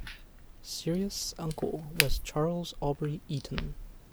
Cyrus' uncle was Charles Aubrey Eaton.